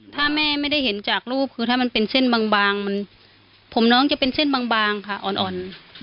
ถ้าแม่ไม่ได้เห็นจากรูปคือถ้ามันเป็นเส้นบางผมน้องจะเป็นเส้นบางค่ะอ่อน